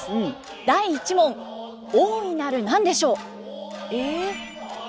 第１問大いなる何でしょう？え？